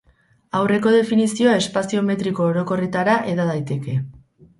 Aurreko definizioa espazio metriko orokorretara heda daiteke.